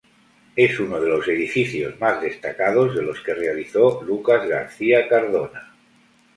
Es uno de los edificios más destacados de los que realizó Lucas García Cardona.